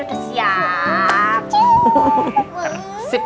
sudah kamu info di depan